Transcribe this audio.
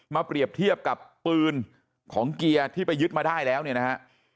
เปรียบเทียบกับปืนของเกียร์ที่ไปยึดมาได้แล้วเนี่ยนะฮะ